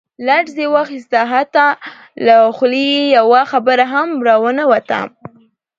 لړزې واخستو حتا له خولې يې يوه خبره هم را ونوته.